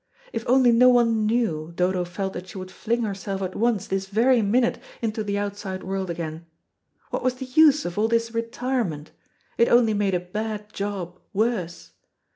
If only no one knew, Dodo felt that she would fling herself at once, this very minute, into the outside world again. What was the use of all this retirement? It only made a bad job worse.